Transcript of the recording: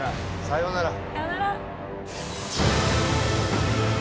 さよなら。